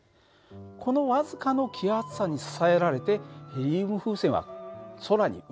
この僅かの気圧差に支えられてヘリウム風船は空に浮かんでいるんですよね。